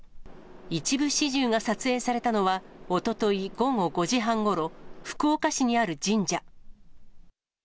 一部始終が撮影されたのは、おととい午後５時半ごろ、福岡市にある神社。